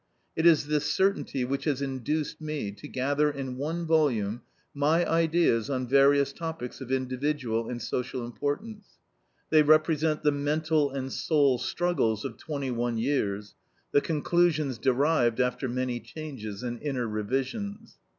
It is this certainty which has induced me to gather in one volume my ideas on various topics of individual and social importance. They represent the mental and soul struggles of twenty one years, the conclusions derived after many changes and inner revisions.